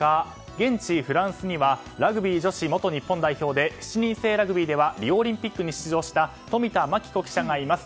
現地フランスにはラグビー女子元日本代表で７人制ラグビーではリオオリンピックに出場した冨田真紀子さんがいます。